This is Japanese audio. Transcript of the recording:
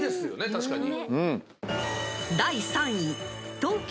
確かに。